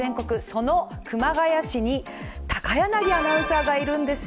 その熊谷市に高柳アナウンサーがいるんです。